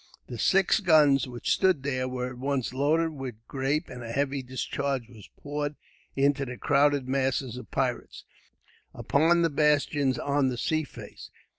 The six guns, which stood there, were at once loaded with grape; and a heavy discharge was poured into the crowded masses of pirates, upon the bastions on the sea face.